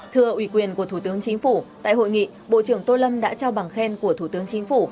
thưa ủy quyền của thủ tướng chính phủ tại hội nghị bộ trưởng tô lâm đã trao bằng khen của thủ tướng chính phủ